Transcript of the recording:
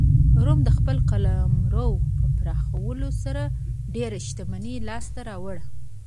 روم د خپل قلمرو په پراخولو سره ډېره شتمنۍ لاسته راوړه.